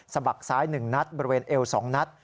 บักซ้าย๑นัดบริเวณเอว๒นัด